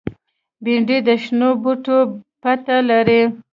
بېنډۍ د شنو بوټو پته لري